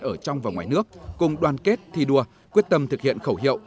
ở trong và ngoài nước cùng đoàn kết thi đua quyết tâm thực hiện khẩu hiệu